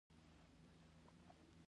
هغوی په بې دینۍ تورنوي.